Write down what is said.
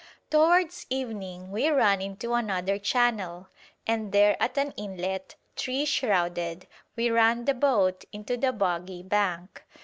Towards evening we ran into another channel, and there at an inlet, tree shrouded, we ran the boat into the boggy bank.